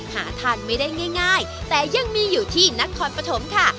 หาทานไม่ได้ง่ายแต่ยังมีอยู่ที่นครปฐมค่ะ